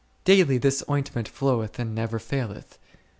Daily this ointment floweth and never faileth.